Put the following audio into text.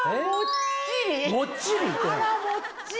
あらもっちり！